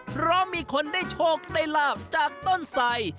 เพราะมีคนได้โชคได้ลาบจากต้นไส